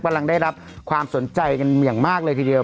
กำลังได้รับความสนใจกันอย่างมากเลยทีเดียว